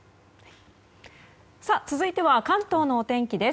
続いては関東のお天気です。